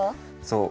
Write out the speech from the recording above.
そう。